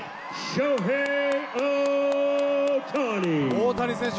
大谷選手